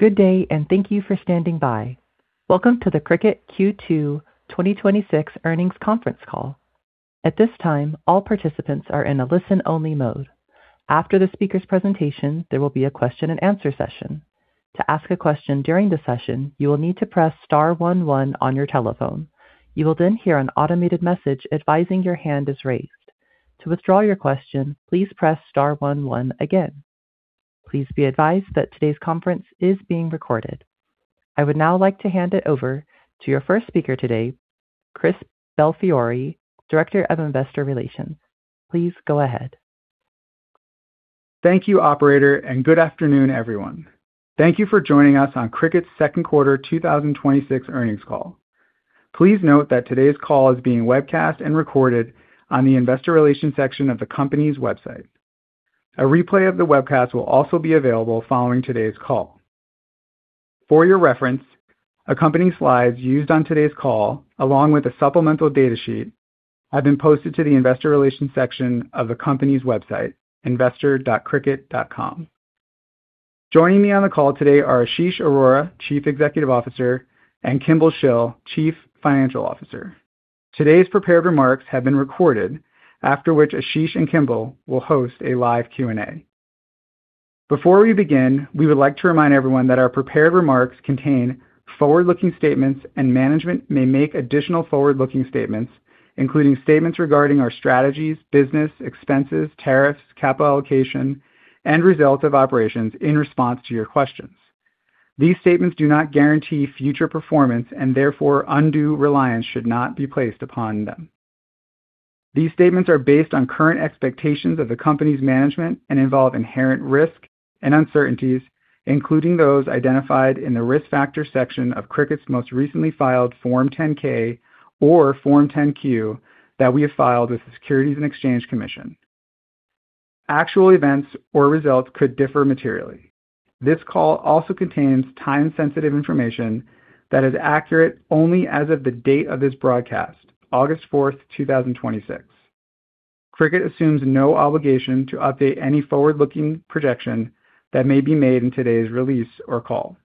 Good day. Thank you for standing by. Welcome to the Cricut Q2 2026 Earnings Conference Call. At this time, all participants are in a listen-only mode. After the speaker's presentation, there will be a question and answer session. To ask a question during the session, you will need to press star one one on your telephone. You will hear an automated message advising your hand is raised. To withdraw your question, please press star one one again. Please be advised that today's conference is being recorded. I would now like to hand it over to your first speaker today, Chris Belfiore, Director of Investor Relations. Please go ahead. Thank you, operator. Good afternoon, everyone. Thank you for joining us on Cricut's Second Quarter 2026 Earnings Call. Please note that today's call is being webcast and recorded on the Investor Relations section of the company's website. A replay of the webcast will also be available following today's call. For your reference, accompanying slides used on today's call, along with a supplemental data sheet, have been posted to the investor relations section of the company's website, investor.cricut.com. Joining me on the call today are Ashish Arora, Chief Executive Officer, and Kimball Shill, Chief Financial Officer. Today's prepared remarks have been recorded, after which Ashish and Kimball will host a live Q&A. Before we begin, we would like to remind everyone that our prepared remarks contain forward-looking statements, and management may make additional forward-looking statements, including statements regarding our strategies, business, expenses, tariffs, capital allocation, and results of operations in response to your questions. These statements do not guarantee future performance and therefore undue reliance should not be placed upon them. These statements are based on current expectations of the company's management and involve inherent risk and uncertainties, including those identified in the Risk Factors section of Cricut's most recently filed Form 10-K or Form 10-Q that we have filed with the Securities and Exchange Commission. Actual events or results could differ materially. This call also contains time-sensitive information that is accurate only as of the date of this broadcast, August 4th, 2026. Cricut assumes no obligation to update any forward-looking projection that may be made in today's release or call.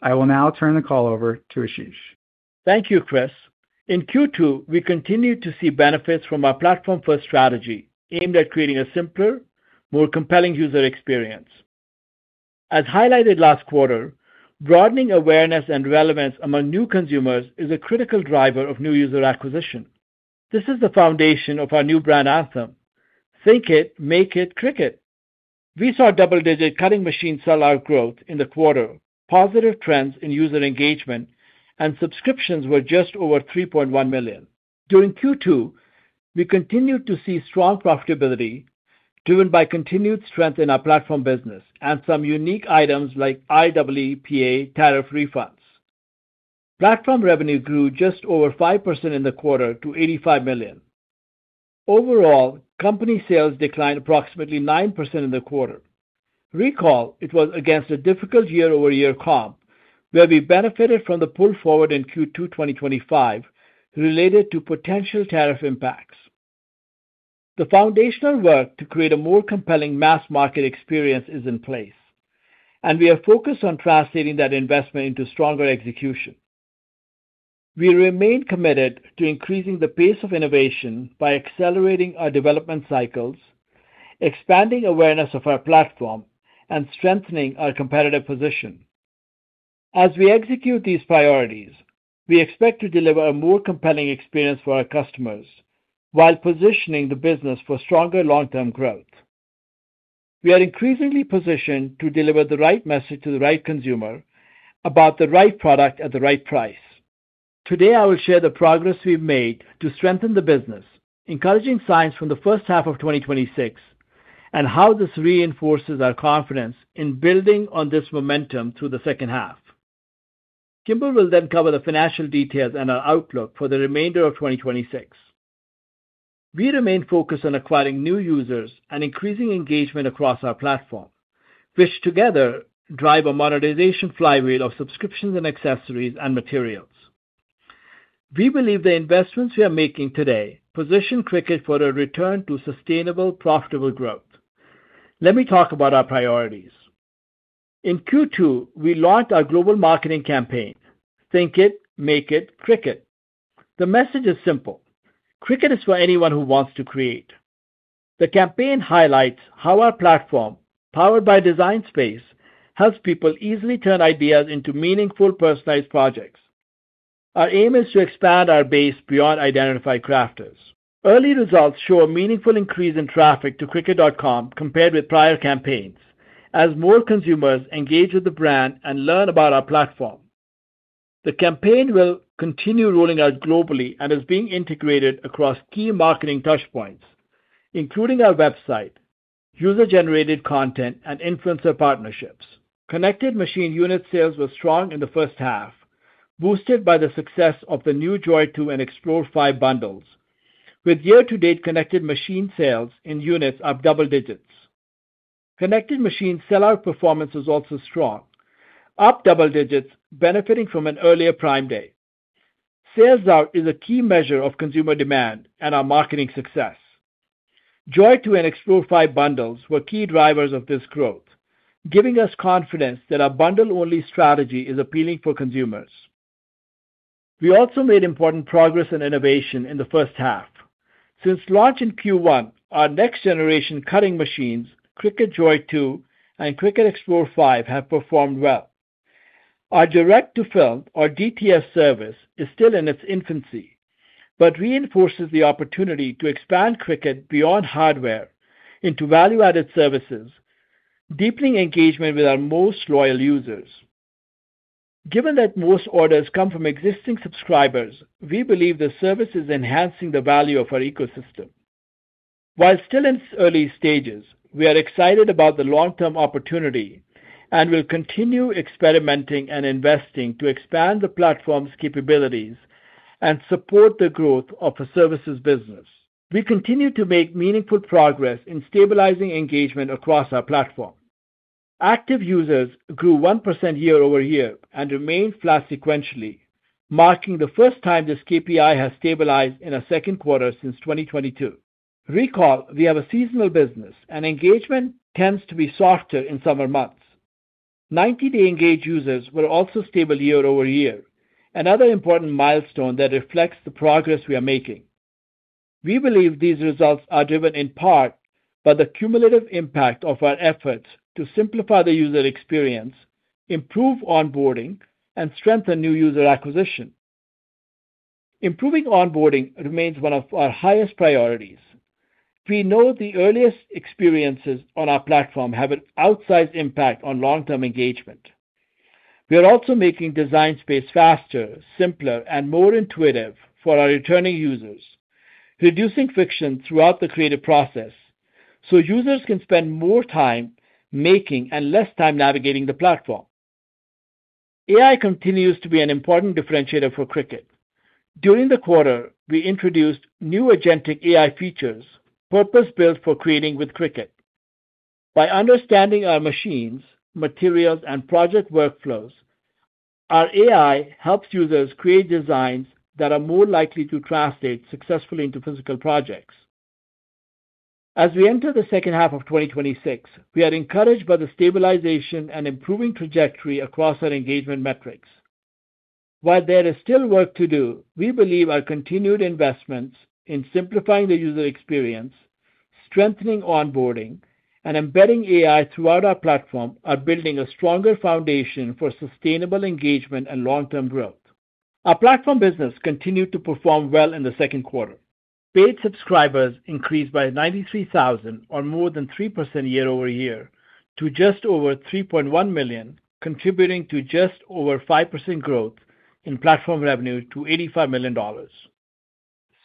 I will now turn the call over to Ashish. Thank you, Chris. In Q2, we continued to see benefits from our platform-first strategy aimed at creating a simpler, more compelling user experience. As highlighted last quarter, broadening awareness and relevance among new consumers is a critical driver of new user acquisition. This is the foundation of our new brand anthem, "Think it. Make it. Cricut." We saw double-digit cutting machine sell-out growth in the quarter, positive trends in user engagement, and subscriptions were just over $3.1 million. During Q2, we continued to see strong profitability driven by continued strength in our platform business and some unique items like IEEPA tariff refunds. Platform revenue grew just over 5% in the quarter to $85 million. Overall, company sales declined approximately 9% in the quarter. Recall, it was against a difficult year-over-year comp where we benefited from the pull forward in Q2 2025 related to potential tariff impacts. The foundational work to create a more compelling mass market experience is in place, and we are focused on translating that investment into stronger execution. We remain committed to increasing the pace of innovation by accelerating our development cycles, expanding awareness of our platform, and strengthening our competitive position. As we execute these priorities, we expect to deliver a more compelling experience for our customers while positioning the business for stronger long-term growth. We are increasingly positioned to deliver the right message to the right consumer about the right product at the right price. Today, I will share the progress we've made to strengthen the business, encouraging signs from the first half of 2026, and how this reinforces our confidence in building on this momentum through the second half. Kimball will cover the financial details and our outlook for the remainder of 2026. We remain focused on acquiring new users and increasing engagement across our platform, which together drive a monetization flywheel of subscriptions in accessories and materials. We believe the investments we are making today position Cricut for a return to sustainable, profitable growth. Let me talk about our priorities. In Q2, we launched our global marketing campaign, "Think it. Make it. Cricut." The message is simple: Cricut is for anyone who wants to create. The campaign highlights how our platform, powered by Design Space, helps people easily turn ideas into meaningful, personalized projects. Our aim is to expand our base beyond identified crafters. Early results show a meaningful increase in traffic to cricut.com compared with prior campaigns as more consumers engage with the brand and learn about our platform. The campaign will continue rolling out globally and is being integrated across key marketing touchpoints, including our website, user-generated content, and influencer partnerships. Connected machine unit sales were strong in the first half, boosted by the success of the new Joy 2 and Explore 5 bundles, with year-to-date connected machine sales in units up double digits. Connected machine sell-out performance was also strong, up double digits, benefiting from an earlier Prime Day. Sell-out is a key measure of consumer demand and our marketing success. Joy 2 and Explore 5 bundles were key drivers of this growth, giving us confidence that our bundle-only strategy is appealing for consumers. We also made important progress in innovation in the first half. Since launch in Q1, our next generation cutting machines, Cricut Joy 2 and Cricut Explore 5, have performed well. Our direct to film, or DTF service, is still in its infancy, but reinforces the opportunity to expand Cricut beyond hardware into value-added services, deepening engagement with our most loyal users. Given that most orders come from existing subscribers, we believe the service is enhancing the value of our ecosystem. While still in its early stages, we are excited about the long-term opportunity and will continue experimenting and investing to expand the platform's capabilities and support the growth of the services business. We continue to make meaningful progress in stabilizing engagement across our platform. Active users grew 1% year-over-year and remained flat sequentially, marking the first time this KPI has stabilized in a second quarter since 2022. Recall, we have a seasonal business, and engagement tends to be softer in summer months. 90-day engaged users were also stable year-over-year, another important milestone that reflects the progress we are making. We believe these results are driven in part by the cumulative impact of our efforts to simplify the user experience, improve onboarding, and strengthen new user acquisition. Improving onboarding remains one of our highest priorities. We know the earliest experiences on our platform have an outsized impact on long-term engagement. We are also making Design Space faster, simpler, and more intuitive for our returning users, reducing friction throughout the creative process so users can spend more time making and less time navigating the platform. AI continues to be an important differentiator for Cricut. During the quarter, we introduced new agentic AI features purpose-built for creating with Cricut. By understanding our machines, materials, and project workflows, our AI helps users create designs that are more likely to translate successfully into physical projects. As we enter the second half of 2026, we are encouraged by the stabilization and improving trajectory across our engagement metrics. While there is still work to do, we believe our continued investments in simplifying the user experience, strengthening onboarding, and embedding AI throughout our platform are building a stronger foundation for sustainable engagement and long-term growth. Our platform business continued to perform well in the second quarter. Paid subscribers increased by 93,000 or more than 3% year-over-year to just over 3.1 million, contributing to just over 5% growth in platform revenue to $85 million.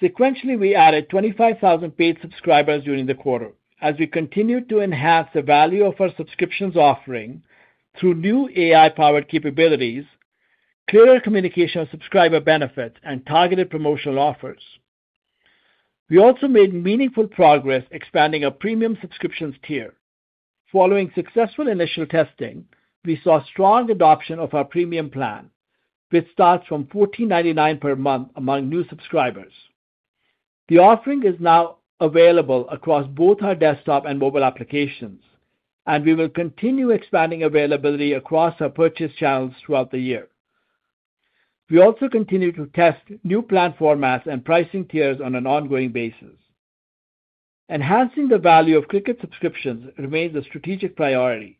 Sequentially, we added 25,000 paid subscribers during the quarter as we continued to enhance the value of our subscriptions offering through new AI-powered capabilities, clearer communication of subscriber benefits, and targeted promotional offers. We also made meaningful progress expanding our premium subscriptions tier. Following successful initial testing, we saw strong adoption of our premium plan, which starts from $14.99 per month among new subscribers. The offering is now available across both our desktop and mobile applications, and we will continue expanding availability across our purchase channels throughout the year. We also continue to test new plan formats and pricing tiers on an ongoing basis. Enhancing the value of Cricut subscriptions remains a strategic priority.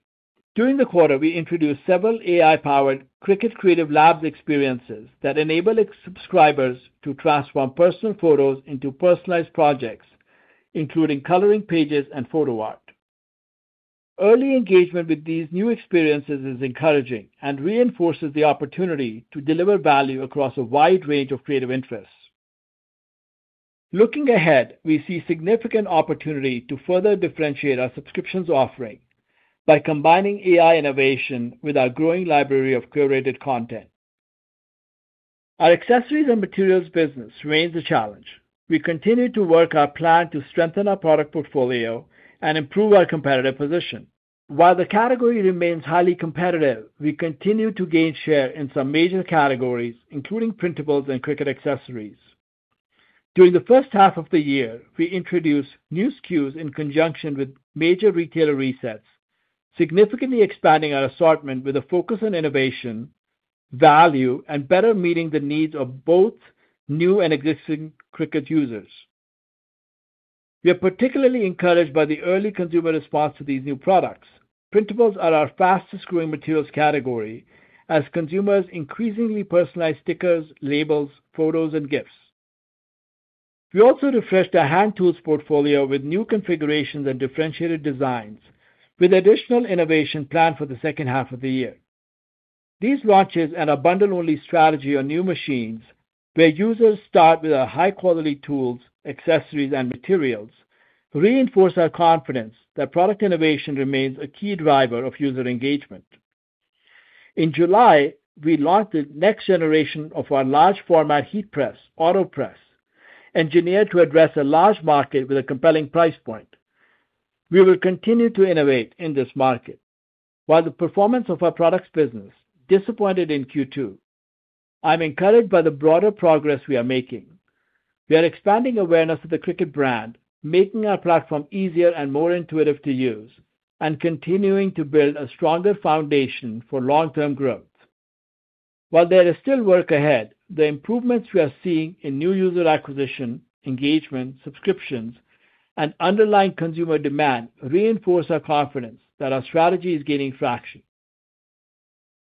During the quarter, we introduced several AI-powered Cricut Creative Labs experiences that enable subscribers to transform personal photos into personalized projects, including coloring pages and photo art. Early engagement with these new experiences is encouraging and reinforces the opportunity to deliver value across a wide range of creative interests. Looking ahead, we see significant opportunity to further differentiate our subscriptions offering by combining AI innovation with our growing library of curated content. Our accessories and materials business remains a challenge. We continue to work our plan to strengthen our product portfolio and improve our competitive position. While the category remains highly competitive, we continue to gain share in some major categories, including printables and Cricut accessories. During the first half of the year, we introduced new SKUs in conjunction with major retailer resets, significantly expanding our assortment with a focus on innovation, value, and better meeting the needs of both new and existing Cricut users. We are particularly encouraged by the early consumer response to these new products. Printables are our fastest-growing materials category as consumers increasingly personalize stickers, labels, photos, and gifts. We also refreshed our hand tools portfolio with new configurations and differentiated designs with additional innovation planned for the second half of the year. These launches and our bundle-only strategy on new machines, where users start with our high-quality tools, accessories, and materials, reinforce our confidence that product innovation remains a key driver of user engagement. In July, we launched the next generation of our large format heat press, Autopress, engineered to address a large market with a compelling price point. We will continue to innovate in this market. While the performance of our products business disappointed in Q2, I'm encouraged by the broader progress we are making. We are expanding awareness of the Cricut brand, making our platform easier and more intuitive to use, and continuing to build a stronger foundation for long-term growth. While there is still work ahead, the improvements we are seeing in new user acquisition, engagement, subscriptions, and underlying consumer demand reinforce our confidence that our strategy is gaining traction.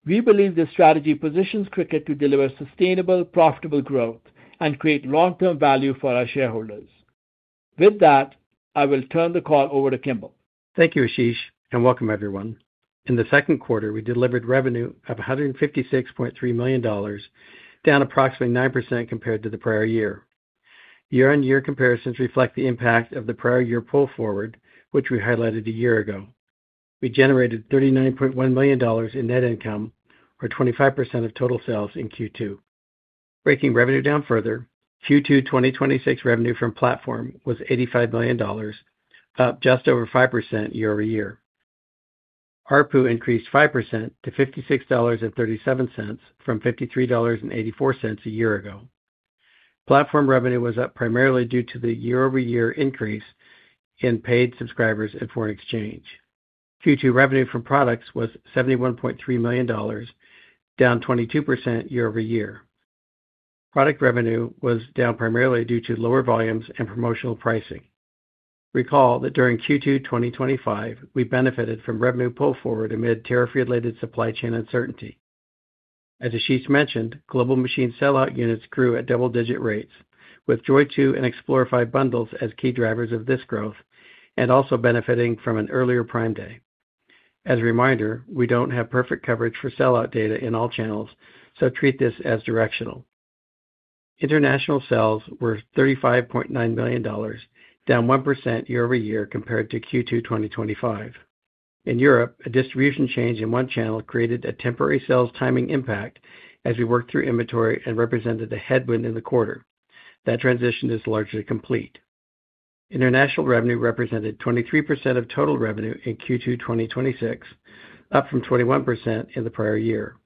We believe this strategy positions Cricut to deliver sustainable, profitable growth and create long-term value for our shareholders. With that, I will turn the call over to Kimball. Thank you, Ashish, and welcome everyone. In the second quarter, we delivered revenue of $156.3 million, down approximately 9% compared to the prior year. Year-on-year comparisons reflect the impact of the prior year pull forward, which we highlighted a year ago. We generated $39.1 million in net income, or 25% of total sales in Q2. Breaking revenue down further, Q2 2026 revenue from platform was $85 million, up just over 5% year-over-year. ARPU increased 5% to $56.37 from $53.84 a year ago. Platform revenue was up primarily due to the year-over-year increase in paid subscribers and foreign exchange. Q2 revenue from products was $71.3 million, down 22% year-over-year. Product revenue was down primarily due to lower volumes and promotional pricing. Recall that during Q2 2025, we benefited from revenue pull forward amid tariff-related supply chain uncertainty. As Ashish mentioned, global machine sell-out units grew at double-digit rates, with Joy 2 and Explore 5 bundles as key drivers of this growth, and also benefiting from an earlier Prime Day. As a reminder, we don't have perfect coverage for sell-out data in all channels, so treat this as directional. International sales were $35.9 million, down 1% year-over-year compared to Q2 2025. In Europe, a distribution change in one channel created a temporary sales timing impact as we worked through inventory and represented a headwind in the quarter. That transition is largely complete. International revenue represented 23% of total revenue in Q2 2026, up from 21% in the prior year.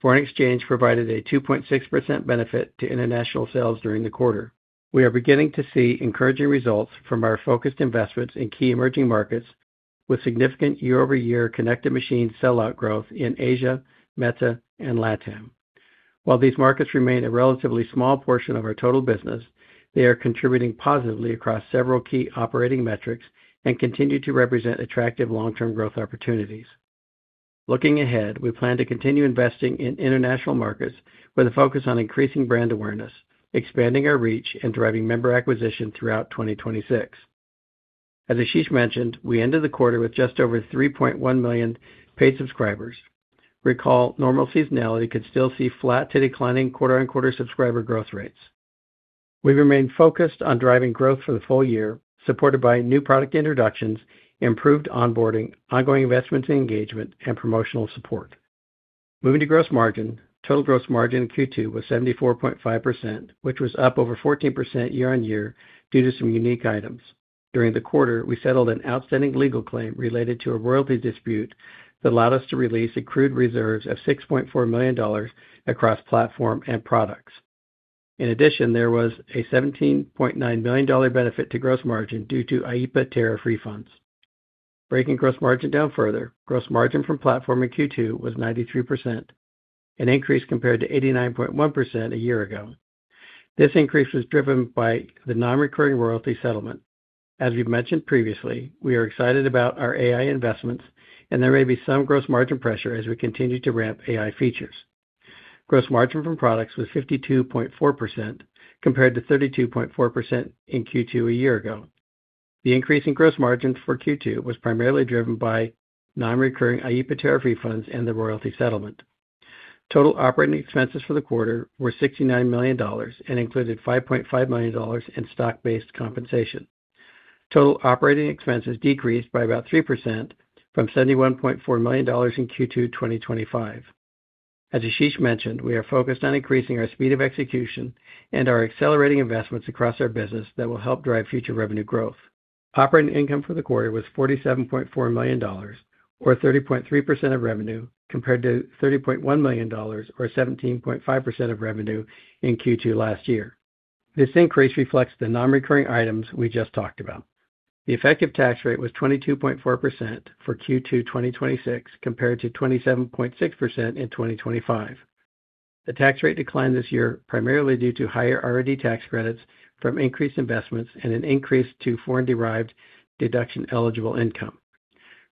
Foreign exchange provided a 2.6% benefit to international sales during the quarter. We are beginning to see encouraging results from our focused investments in key emerging markets with significant year-over-year connected machine sell-out growth in Asia, MEA, and LATAM. While these markets remain a relatively small portion of our total business, they are contributing positively across several key operating metrics and continue to represent attractive long-term growth opportunities. Looking ahead, we plan to continue investing in international markets with a focus on increasing brand awareness, expanding our reach, and driving member acquisition throughout 2026. As Ashish mentioned, we ended the quarter with just over 3.1 million paid subscribers. Recall, normal seasonality could still see flat to declining quarter-on-quarter subscriber growth rates. We remain focused on driving growth for the full year, supported by new product introductions, improved onboarding, ongoing investment and engagement, and promotional support. Moving to gross margin, total gross margin in Q2 was 74.5%, which was up over 14% year-on-year due to some unique items. During the quarter, we settled an outstanding legal claim related to a royalty dispute that allowed us to release accrued reserves of $6.4 million across platform and products. In addition, there was a $17.9 million benefit to gross margin due to IEEPA tariff refunds. Breaking gross margin down further, gross margin from platform in Q2 was 93%, an increase compared to 89.1% a year ago. This increase was driven by the non-recurring royalty settlement. As we've mentioned previously, we are excited about our AI investments, and there may be some gross margin pressure as we continue to ramp AI features. Gross margin from products was 52.4%, compared to 32.4% in Q2 a year ago. The increase in gross margin for Q2 was primarily driven by non-recurring IEEPA tariff refunds and the royalty settlement. Total operating expenses for the quarter were $69 million and included $5.5 million in stock-based compensation. Total operating expenses decreased by about 3% from $71.4 million in Q2 2025. As Ashish mentioned, we are focused on increasing our speed of execution and are accelerating investments across our business that will help drive future revenue growth. Operating income for the quarter was $47.4 million, or 30.3% of revenue, compared to $30.1 million, or 17.5% of revenue in Q2 last year. This increase reflects the non-recurring items we just talked about. The effective tax rate was 22.4% for Q2 2026, compared to 27.6% in 2025. The tax rate declined this year primarily due to higher R&D tax credits from increased investments and an increase to foreign-derived deduction eligible income.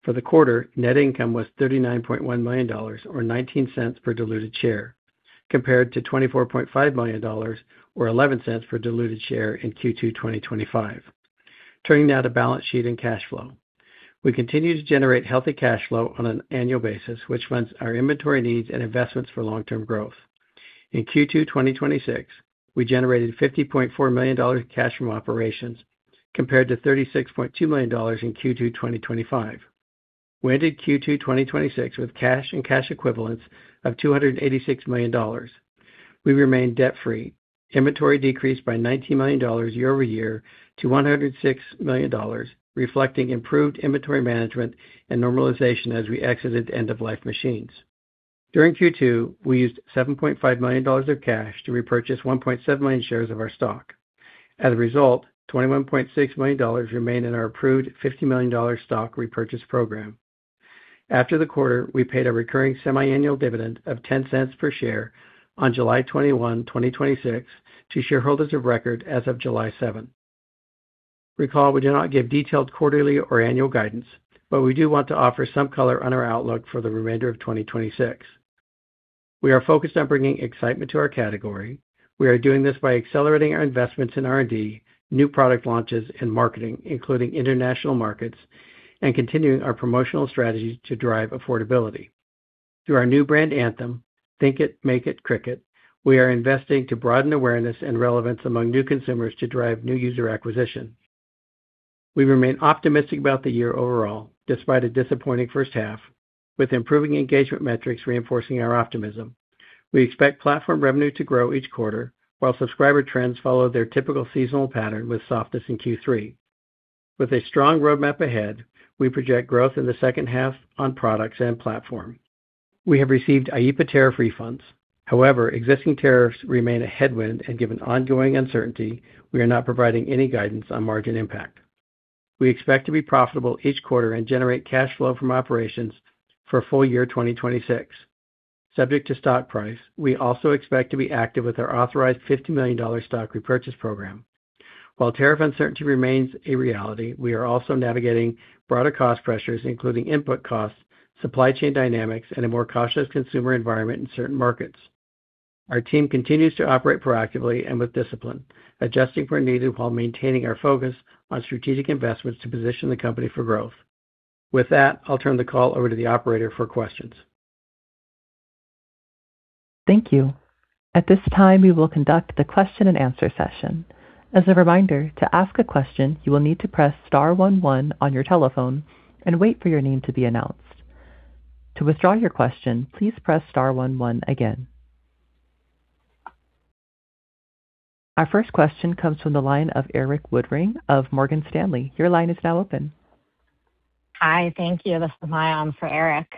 For the quarter, net income was $39.1 million, or $0.19 per diluted share, compared to $24.5 million, or $0.11 per diluted share in Q2 2025. Turning now to balance sheet and cash flow. We continue to generate healthy cash flow on an annual basis, which funds our inventory needs and investments for long-term growth. In Q2 2026, we generated $50.4 million cash from operations, compared to $36.2 million in Q2 2025. We ended Q2 2026 with cash and cash equivalents of $286 million. We remain debt-free. Inventory decreased by $19 million year-over-year to $106 million, reflecting improved inventory management and normalization as we exited end-of-life machines. During Q2, we used $7.5 million of cash to repurchase 1.7 million shares of our stock. As a result, $21.6 million remain in our approved $50 million stock repurchase program. After the quarter, we paid a recurring semiannual dividend of $0.10 per share on July 21, 2026, to shareholders of record as of July 7. Recall, we do not give detailed quarterly or annual guidance, but we do want to offer some color on our outlook for the remainder of 2026. We are focused on bringing excitement to our category. We are doing this by accelerating our investments in R&D, new product launches, and marketing, including international markets, and continuing our promotional strategies to drive affordability. Through our new brand anthem, "Think it. Make it. Cricut," we are investing to broaden awareness and relevance among new consumers to drive new user acquisition. We remain optimistic about the year overall, despite a disappointing first half, with improving engagement metrics reinforcing our optimism. We expect platform revenue to grow each quarter, while subscriber trends follow their typical seasonal pattern, with softness in Q3. With a strong roadmap ahead, we project growth in the second half on products and platform. We have received IEEPA tariff refunds. However, existing tariffs remain a headwind, and given ongoing uncertainty, we are not providing any guidance on margin impact. We expect to be profitable each quarter and generate cash flow from operations for full year 2026. Subject to stock price, we also expect to be active with our authorized $50 million stock repurchase program. While tariff uncertainty remains a reality, we are also navigating broader cost pressures, including input costs, supply chain dynamics, and a more cautious consumer environment in certain markets. Our team continues to operate proactively and with discipline, adjusting where needed while maintaining our focus on strategic investments to position the company for growth. With that, I'll turn the call over to the operator for questions. Thank you. At this time, we will conduct the question and answer session. As a reminder, to ask a question, you will need to press star one one on your telephone and wait for your name to be announced. To withdraw your question, please press star one one again. Our first question comes from the line of Erik Woodring of Morgan Stanley. Your line is now open. Hi. Thank you. This is Mayaam for Erik.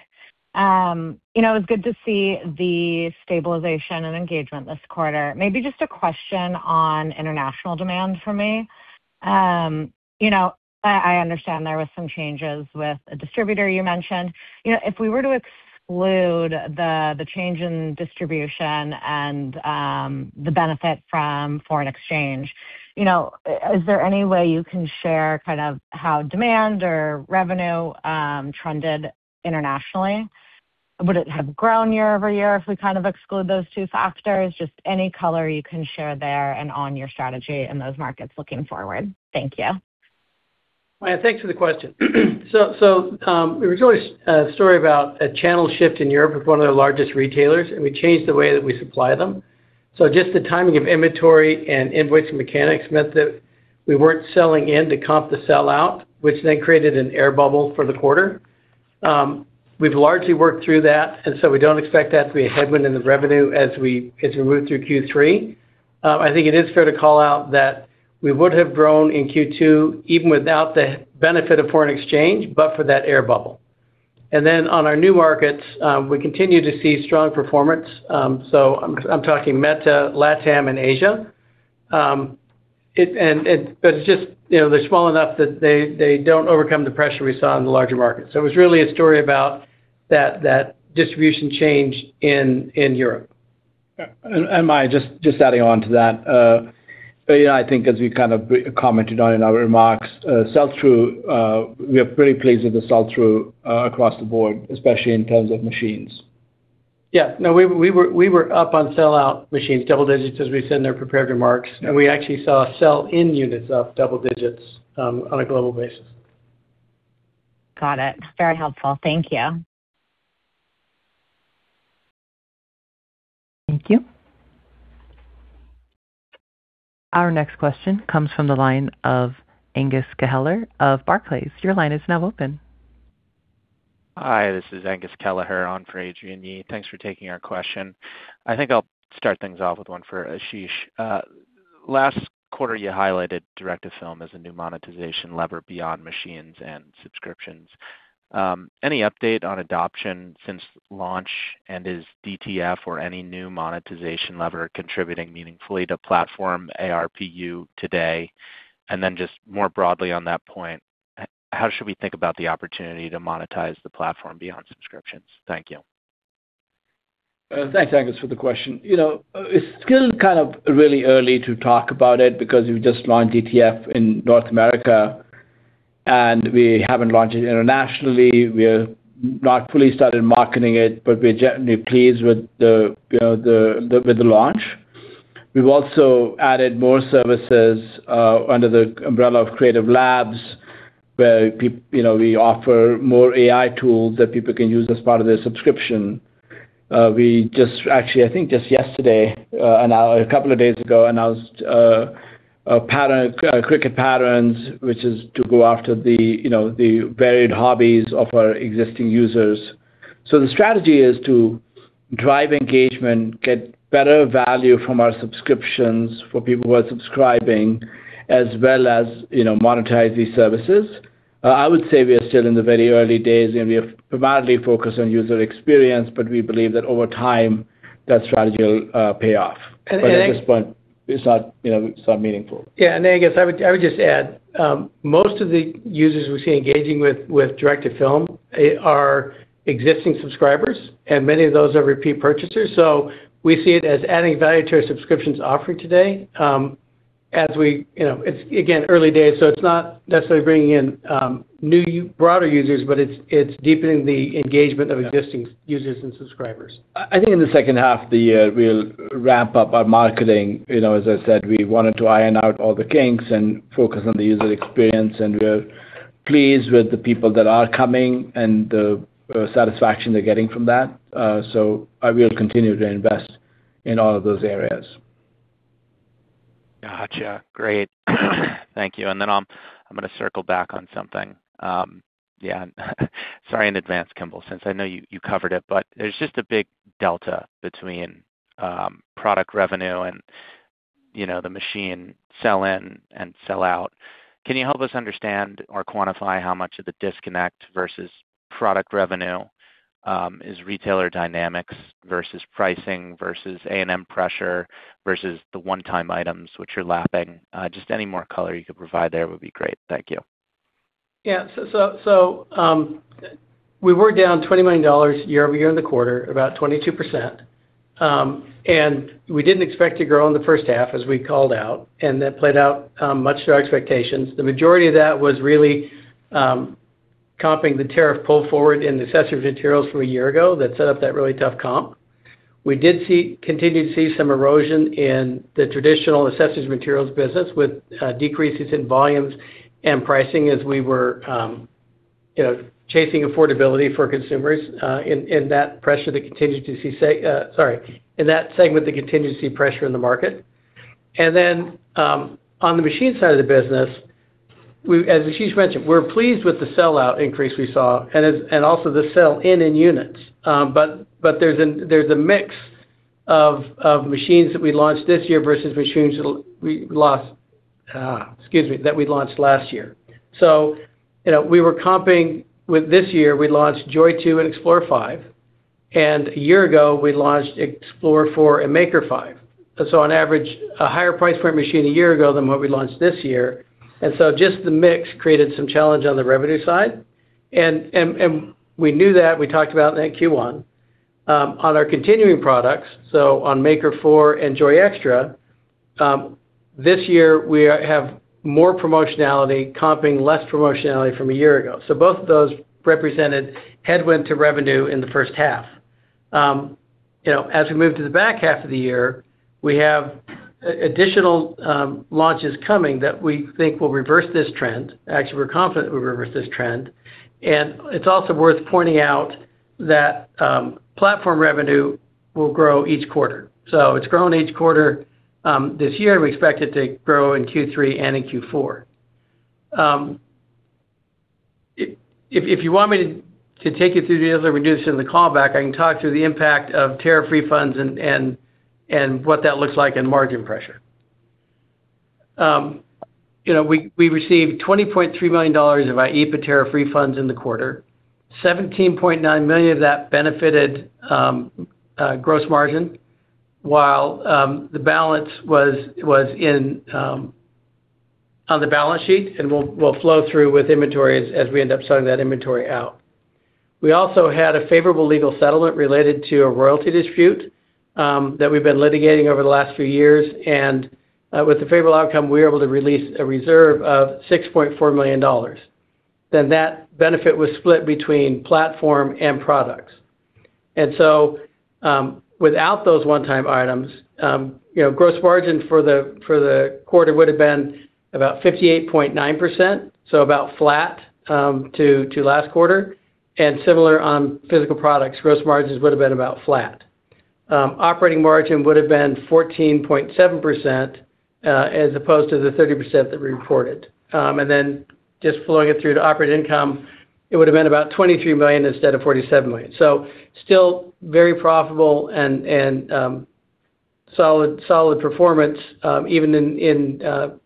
It was good to see the stabilization and engagement this quarter. A question on international demand for me. I understand there was some changes with a distributor you mentioned. If we were to exclude the change in distribution and the benefit from foreign exchange, is there any way you can share how demand or revenue trended internationally? Would it have grown year-over-year if we exclude those two factors? Any color you can share there and on your strategy in those markets looking forward. Thank you. Mayaam, thanks for the question. It was really a story about a channel shift in Europe with one of our largest retailers, we changed the way that we supply them. Just the timing of inventory and invoice mechanics meant that we weren't selling in to comp the sellout, which then created an air bubble for the quarter. We've largely worked through that, we don't expect that to be a headwind in the revenue as we move through Q3. I think it is fair to call out that we would have grown in Q2 even without the benefit of foreign exchange, but for that air bubble. On our new markets, we continue to see strong performance. I'm talking MEA, LATAM, and Asia. They're small enough that they don't overcome the pressure we saw in the larger markets. It was really a story about that distribution change in Europe. Mayaam, just adding on to that. I think as we commented on in our remarks, we are pretty pleased with the sell-through across the board, especially in terms of machines. No, we were up on sellout machines, double digits, as we said in our prepared remarks. We actually saw sell-in units up double digits on a global basis. Got it. Very helpful. Thank you. Thank you. Our next question comes from the line of Angus Kelleher of Barclays. Your line is now open. Hi, this is Angus Kelleher on for Adrienne Yih. Thanks for taking our question. I think I'll start things off with one for Ashish. Last quarter, you highlighted direct to film as a new monetization lever beyond machines and subscriptions. Any update on adoption since launch, and is DTF or any new monetization lever contributing meaningfully to platform ARPU today? Just more broadly on that point, how should we think about the opportunity to monetize the platform beyond subscriptions? Thank you. Thanks, Angus, for the question. It's still really early to talk about it because we just launched DTF in North America, we haven't launched it internationally. We've not fully started marketing it, we're generally pleased with the launch. We've also added more services under the umbrella of Creative Labs, where we offer more AI tools that people can use as part of their subscription. Actually, I think just yesterday, a couple of days ago, announced Cricut Patterns, which is to go after the varied hobbies of our existing users. The strategy is to drive engagement, get better value from our subscriptions for people who are subscribing, as well as monetize these services. I would say we are still in the very early days, we are primarily focused on user experience, we believe that over time, that strategy will pay off. And I- At this point, it's not meaningful. Yeah. I guess I would just add, most of the users we're seeing engaging with direct-to-film are existing subscribers, and many of those are repeat purchasers. We see it as adding value to our subscriptions offering today. It's, again, early days, so it's not necessarily bringing in broader users, but it's deepening the engagement of existing- Yeah. -users and subscribers. I think in the second half of the year, we'll wrap up our marketing. As I said, we wanted to iron out all the kinks and focus on the user experience, and we're pleased with the people that are coming and the satisfaction they're getting from that. I will continue to invest in all of those areas. Gotcha. Great. Thank you. Then I'm going to circle back on something. Yeah. Sorry in advance, Kimball, since I know you covered it, but there's just a big delta between product revenue and the machine sell-in and sell out. Can you help us understand or quantify how much of the disconnect versus product revenue is retailer dynamics versus pricing versus A&M pressure versus the one-time items which are lapping? Just any more color you could provide there would be great. Thank you. Yeah. We were down $20 million year-over-year in the quarter, about 22%, and we didn't expect to grow in the first half as we called out, and that played out much to our expectations. The majority of that was really comping the tariff pull forward in accessories and materials from a year ago that set up that really tough comp. We did continue to see some erosion in the traditional accessories and materials business with decreases in volumes and pricing as we were chasing affordability for consumers in that segment that continue to see pressure in the market. On the machine side of the business, as Ashish mentioned, we're pleased with the sell-out increase we saw and also the sell in units. There's a mix of machines that we launched this year versus machines that we launched last year. We were comping with this year, we launched Joy 2 and Explore 5, and a year ago, we launched Explore 4 and Maker 5. On average, a higher price point machine a year ago than what we launched this year. Just the mix created some challenge on the revenue side. We knew that, we talked about it in Q1. On our continuing products, on Maker 4 and Joy Xtra, this year, we have more promotionality, comping less promotionality from a year ago. Both of those represented headwind to revenue in the first half. As we move to the back half of the year, we have additional launches coming that we think will reverse this trend. Actually, we're confident we'll reverse this trend. It's also worth pointing out that platform revenue will grow each quarter. It's grown each quarter. This year, we expect it to grow in Q3 and in Q4. If you want me to take you through the other reductions in the callback, I can talk through the impact of tariff refunds and what that looks like in margin pressure. We received $20.3 million of IEEPA tariff refunds in the quarter. $17.9 million of that benefited gross margin, while the balance was on the balance sheet and will flow through with inventory as we end up selling that inventory out. We also had a favorable legal settlement related to a royalty dispute that we've been litigating over the last few years. With the favorable outcome, we were able to release a reserve of $6.4 million. That benefit was split between platform and products. Without those one-time items, gross margin for the quarter would've been about 58.9%, about flat to last quarter, and similar on physical products, gross margins would've been about flat. Operating margin would've been 14.7% as opposed to the 30% that we reported. Just flowing it through to operating income, it would've been about $23 million instead of $47 million. Still very profitable and solid performance, even in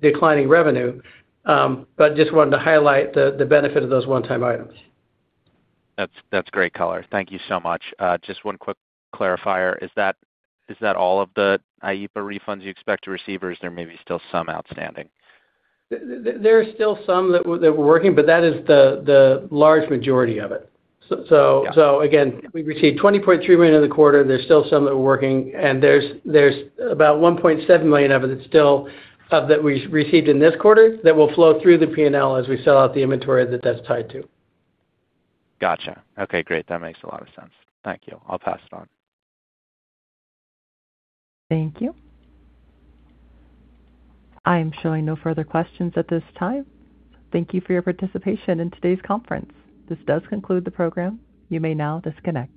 declining revenue. Just wanted to highlight the benefit of those one-time items. That's great color. Thank you so much. Just one quick clarifier. Is that all of the IEEPA refunds you expect to receive, or is there maybe still some outstanding? There are still some that we're working, that is the large majority of it. Yeah. Again, we received $20.3 million in the quarter. There's still some that we're working. There's about $1.7 million of it that we received in this quarter that will flow through the P&L as we sell out the inventory that's tied to. Gotcha. Okay, great. That makes a lot of sense. Thank you. I'll pass it on. Thank you. I am showing no further questions at this time. Thank you for your participation in today's conference. This does conclude the program. You may now disconnect.